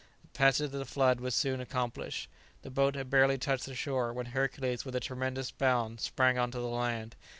The passage of the flood was soon accomplished. The boat had barely touched the shore, when Hercules with a tremendous bound sprang on to the land.